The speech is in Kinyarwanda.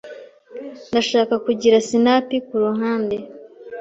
Ndashaka kugira sinapi kuruhande.